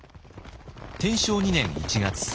天正２年１月。